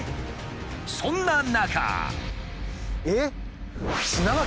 そんな中。